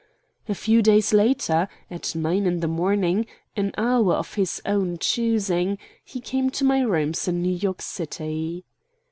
A few days later, at nine in the morning, an hour of his own choosing, he came to my rooms in New York City.